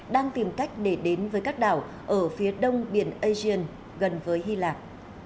đang tìm cách để đến với các đảo ở phía đông biển asian gần với hy lạp